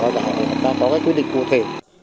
để có quyết định cụ thể